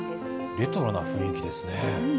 レトロな雰囲気ですね。